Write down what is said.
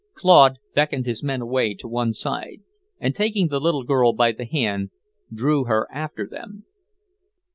Claude beckoned his men away to one side, and taking the little girl by the hand drew her after them.